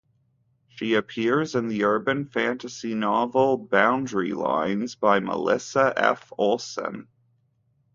She appears in the urban fantasy novel "Boundary Lines" by Melissa F. Olson.